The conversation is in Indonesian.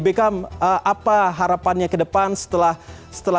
bekam apa harapannya ke depan setelah tentu